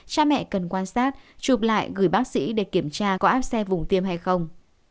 cha mẹ cần quan sát chụp lại gửi bác sĩ để kiểm tra có áp xe vùng tiêm hay không